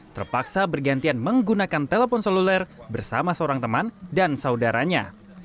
terpaksa bergantian menggunakan telepon seluler bersama seorang teman dan saudaranya